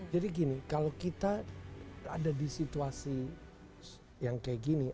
jadi gini kalau kita ada di situasi yang kayak gini